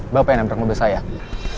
bapak yang ambil rambut saya ya